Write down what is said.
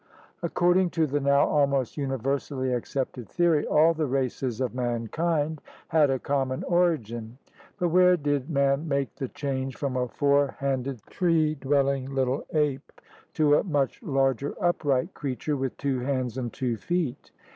According to the now almost universally accepted theory, all the races of mankind had a common origin. But where did man make the change from a four handed, tree dwelling little ape to a much larger, upright crea ture with two hands and two feet.''